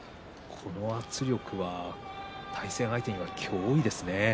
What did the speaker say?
この圧力は対戦相手には脅威ですね。